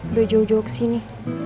udah jauh jauh kesini